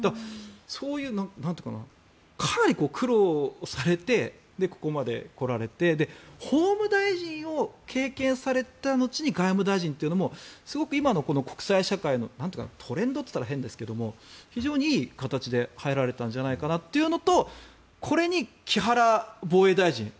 そういう、かなり苦労されてここまで来られて法務大臣を経験された後に外務大臣というのもすごく今の国際社会のトレンドと言ったら変ですけど非常にいい形で入られたんじゃないかというのとこれに木原防衛大臣。